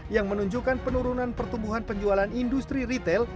yang menunjukkan penurunan pertumbuhan penjualan industri retail